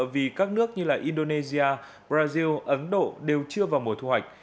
vì các nước như indonesia brazil ấn độ đều chưa vào mùa thu hoạch